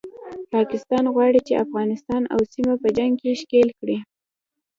پاکستان غواړي چې افغانستان او سیمه په جنګ کې ښکیل کړي